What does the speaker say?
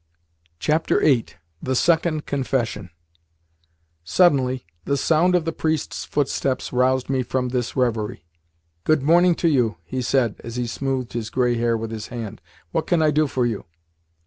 VIII. THE SECOND CONFESSION Suddenly the sound of the priest's footsteps roused me from this reverie. "Good morning to you," he said as he smoothed his grey hair with his hand. "What can I do for you?"